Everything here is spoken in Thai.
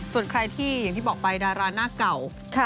ส่วนใครที่อย่างที่บอกไปดาราหน้าเก่า